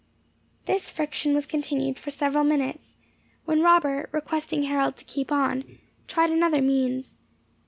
This friction was continued for several minutes, when Robert, requesting Harold to keep on, tried another means.